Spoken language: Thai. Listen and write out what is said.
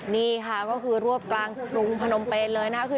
นี่ค่ะก็คือรวบกลางกรุงพนมเป็นเลยนะคะ